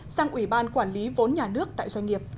sang ủy ban quản lý vốn nhà nước tại doanh nghiệp